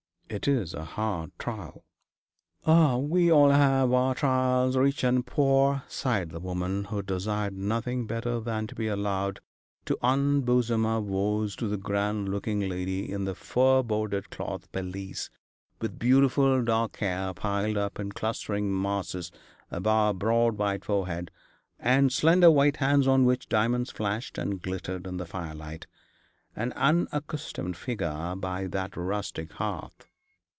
'It is a hard trial.' 'Ah! we all have our trials, rich and poor,' sighed the woman, who desired nothing better than to be allowed to unbosom her woes to the grand looking lady in the fur bordered cloth pelisse, with beautiful dark hair piled up in clustering masses above a broad white forehead, and slender white hands on which diamonds flashed and glittered in the firelight, an unaccustomed figure by that rustic hearth.